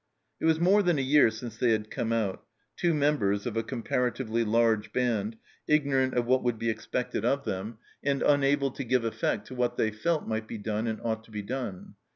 It was more than a year since they had come out, two members of a comparatively large band, ignorant of what would be expected of them, 246 ENTER ROMANCE 247 and unable to give effect to what they felt might be done arid ought to be done.